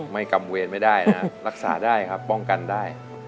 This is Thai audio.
ไม่กำเวรไม่ได้นะรักษาได้ครับป้องกันได้